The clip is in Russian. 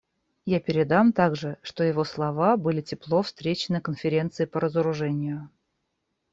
Я передам также, что его слова были тепло встречены Конференцией по разоружению.